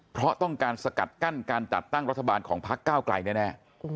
เพราะต้องการสกัดกั้นการจัดตั้งรัฐบาลของพักเก้าไกลแน่